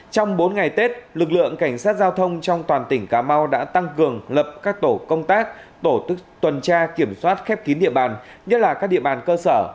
trong bốn ngày tết lực lượng cảnh sát giao thông trong toàn tỉnh cà mau đã tăng cường lập các tổ công tác tổ chức tuần tra kiểm soát khép kín địa bàn nhất là các địa bàn cơ sở